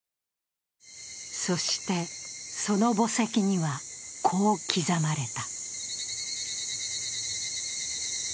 そして、その墓石にはこう刻まれた。